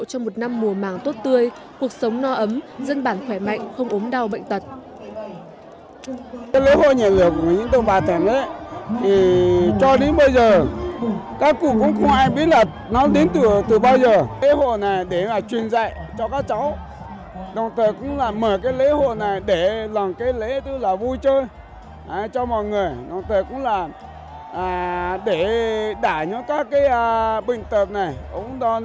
cho một năm mùa màng tốt tươi cuộc sống no ấm dân bản khỏe mạnh không ốm đau bệnh tật